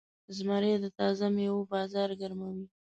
زمری د تازه میوو بازار ګرموي.